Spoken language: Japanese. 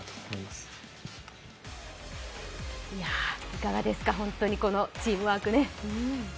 いかがですか、本当にこのチームワークね。